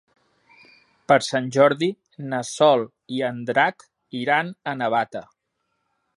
Per Sant Jordi na Sol i en Drac iran a Navata.